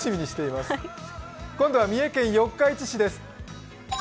今度は三重県四日市市です。